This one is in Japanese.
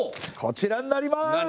こちらになります。